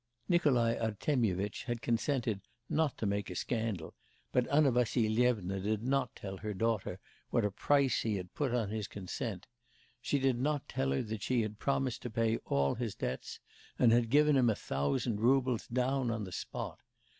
Nikolai Artemyevitch had consented 'not to make a scandal,' but Anna Vassilyevna did not tell her daughter what a price he had put on his consent. She did not tell her that she had promised to pay all his debts, and had given him a thousand roubles down on the spot.